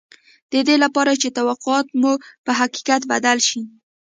د دې لپاره چې توقعات مو په حقیقت بدل شي